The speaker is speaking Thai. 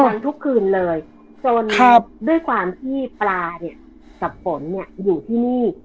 ทุกคืนเลยจนด้วยความที่ปลาเนี่ยกับฝนเนี่ยอยู่ที่นี่